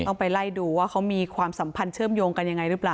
ไปไล่ดูว่าเขามีความสัมพันธ์เชื่อมโยงกันยังไงหรือเปล่า